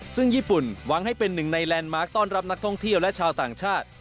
ซึ่งญี่ปุ่นหวังให้เป็นหนึ่งในแลนดมาร์คต้อนรับนักท่องเที่ยวและชาวต่างชาติ